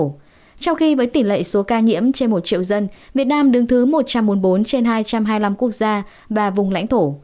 trong khi với tỷ lệ số ca nhiễm trên một triệu dân việt nam đứng thứ một trăm bốn mươi bốn trên hai trăm hai mươi năm quốc gia và vùng lãnh thổ